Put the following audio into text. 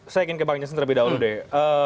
saya ingin ke bang jansen terlebih dahulu deh